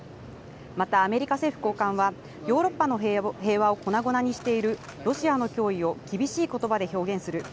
またアメリカ政府高官は、ヨーロッパの平和を粉々にしているロシアの脅威を厳しいことばで表現する。